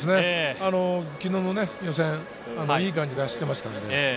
昨日の予選、いい感じで走っていました。